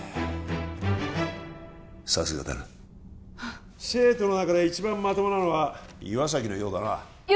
さすがだな生徒の中で一番まともなのは岩崎のようだなよ